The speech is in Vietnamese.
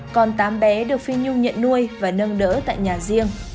còn tám bé được phi nhung nhận nuôi và nâng đỡ tại nhà riêng